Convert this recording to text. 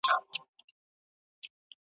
د ملا مېرمني ونيول غوږونه .